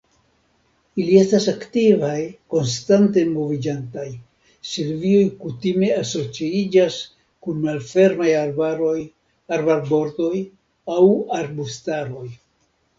Ili estas aktivaj, konstante moviĝantaj; silvioj kutime asociiĝas kun malfermaj arbaroj, arbarbordoj aŭ arbustaroj.